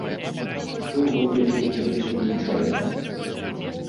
Што ў гэтай сустрэчы незвычайнага?